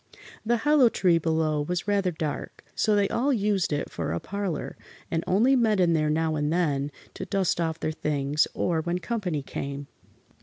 The hollow tree below was rather dark, so they all used it for a parlor, and only met in there now and then, to dust off their things, or when company came.